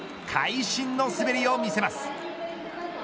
会心の滑りを見せます。